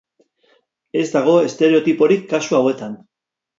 Ez dago estereotiporik kasu hauetan.